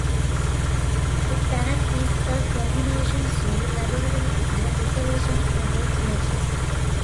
The planet is a combination zoo, laboratory, and reservation for the creatures.